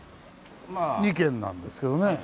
２軒なんですけどね。